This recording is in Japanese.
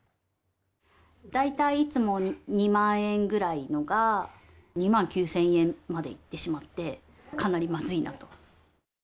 大体いつも２万円ぐらいのが、２万９０００円までいってしまって、かなりまずいなと。